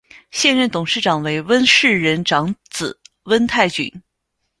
现任董事长为温世仁长子温泰钧。